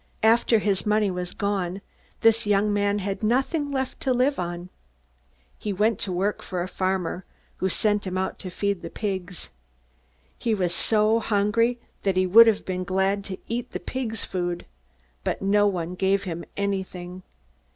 After his money was gone, this young man had nothing left to live on. He went to work for a farmer, who sent him out to feed the pigs. He was so hungry that he would have been glad to eat the pigs' food, but no one gave him anything.